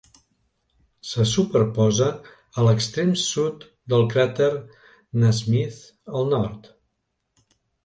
Se superposa a l'extrem sud del cràter Nasmyth al nord.